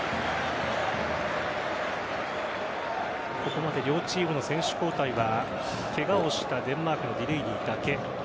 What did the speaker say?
ここまで両チームの選手交代はケガをしたデンマークのディレイニーだけ。